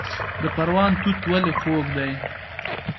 د پروان توت ولې خوږ دي؟